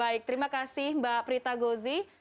baik terima kasih mbak prita gozi